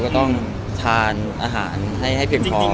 ต้องทานอาหารให้เพียงคร้อง